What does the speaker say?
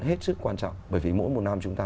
hết sức quan trọng bởi vì mỗi một năm chúng ta